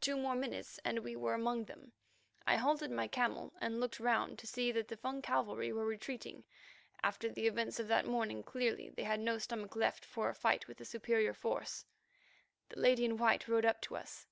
Two more minutes and we were among them. I halted my camel and looked round to see that the Fung cavalry were retreating. After the events of that morning clearly they had no stomach left for a fight with a superior force. The lady in white rode up to us.